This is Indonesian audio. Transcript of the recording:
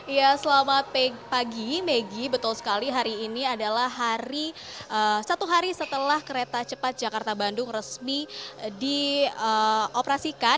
ya selamat pagi maggie betul sekali hari ini adalah hari satu hari setelah kereta cepat jakarta bandung resmi dioperasikan